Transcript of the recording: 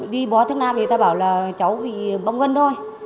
đi bó thức nam thì người ta bảo là cháu bị bóng gân thôi